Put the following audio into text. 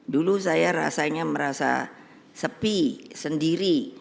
dulu saya rasanya merasa sepi sendiri